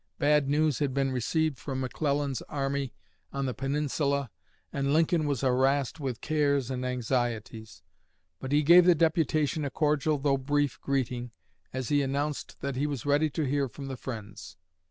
Bad news had been received from McClellan's army on the Peninsula, and Lincoln was harassed with cares and anxieties. But he gave the deputation a cordial though brief greeting, as he announced that he was ready to hear from the Friends.